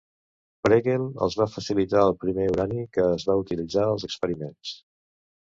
Pregel els va facilitar el primer urani que es va utilitzar als experiments.